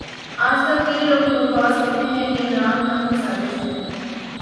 اجتک کئئ لوگ یہ بکواس کہتے ھیں کہ عمران خان کی سازش ھے